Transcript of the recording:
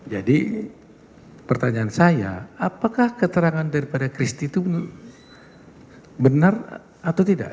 jadi pertanyaan saya apakah keterangan daripada kristi itu benar atau tidak